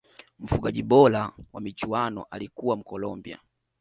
mfungaji bora wa michuano ya alikuwa mkolombia